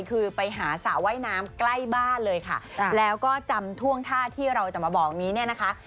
คือไปหาสระว่ายน้ำใกล้บ้านเลยค่ะแล้วก็จำท่วงท่าที่เราจะมาบอกนี้เนี่ยนะคะ